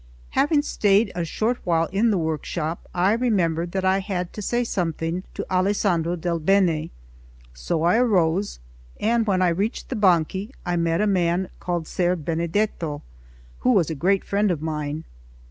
Having stayed a short while in the workshop, I remembered that I had to say something to Alessandro del Bene. So I arose, and when I reached the Banchi, I met a man called Ser Benedetto, who was a great friend of mine.